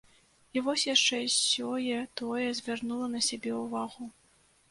І вось яшчэ сёе-тое звярнула на сябе ўвагу.